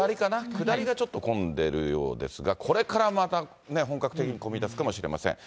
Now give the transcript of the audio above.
下りがちょっと混んでるようですが、これからまたね、本格的に混みだすかもしれません。